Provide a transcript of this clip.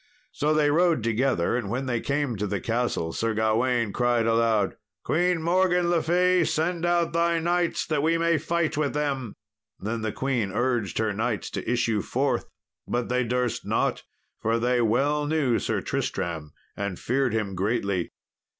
So they rode together, and when they came to the castle, Sir Gawain cried aloud, "Queen Morgan le Fay, send out thy knights that we may fight with them." Then the queen urged her knights to issue forth, but they durst not, for they well knew Sir Tristram, and feared him greatly.